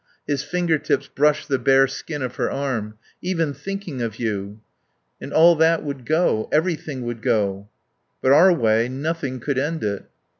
His finger tips brushed the bare skin of her arm. "Even thinking of you ..."... And all that would go. Everything would go.... "... But our way nothing could end it."